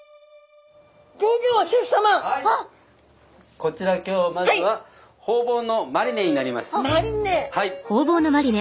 こちら今日まずはホウボウのマリネになります。